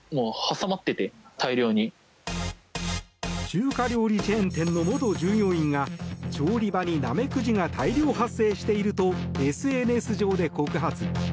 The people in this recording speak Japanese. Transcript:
中華料理チェーン店の元従業員が調理場にナメクジが大量発生しているとＳＮＳ上で告発。